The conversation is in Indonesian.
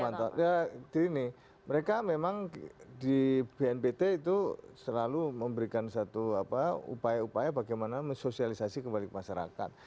ya di sini mereka memang di bnpt itu selalu memberikan satu apa upaya upaya bagaimana mesosialisasi kembali ke masyarakat